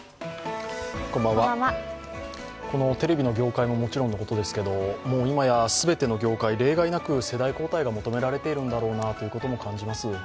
このテレビの業界ももちろんのことですけど、今や全ての業界、例外なく世代交代が求められているのだろうなと思います。